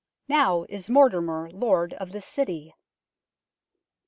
" Now is Mortimer lord of this city